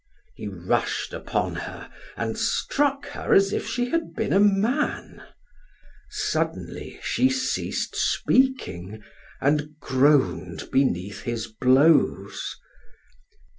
He rushed upon her and struck her as if she had been a man. Suddenly she ceased speaking, and groaned beneath his blows.